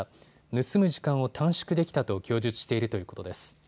盗む時間を短縮できたと供述しているということです。